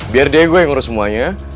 biar diego yang ngurus semuanya